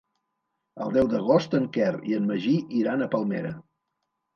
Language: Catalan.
El deu d'agost en Quer i en Magí iran a Palmera.